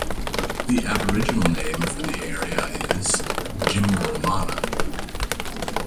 The Aboriginal name for the area is "Jimberlana".